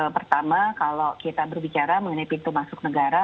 pertama kalau kita berbicara mengenai pintu masuk negara